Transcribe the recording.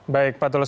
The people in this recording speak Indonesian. baik pak tulus